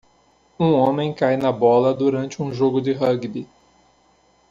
Um homem cai na bola durante um jogo de rúgbi